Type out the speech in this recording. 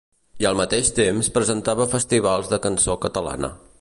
I al mateix temps presentava festivals de cançó catalana.